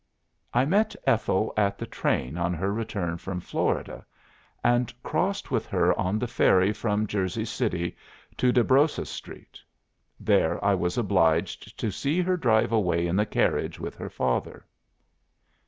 "I met Ethel at the train on her return from Florida, and crossed with her on the ferry from Jersey City to Desbrosses Street. There I was obliged to see her drive away in the carriage with her father."